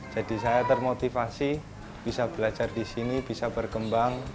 jadi saya termotivasi bisa belajar di sini bisa berkembang